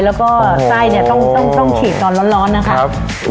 แล้วก็ไส้เนี่ยต้องฉีดตอนร้อนนะครับ